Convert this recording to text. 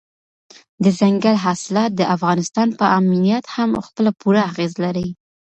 دځنګل حاصلات د افغانستان په امنیت هم خپل پوره اغېز لري.